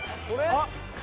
あっ。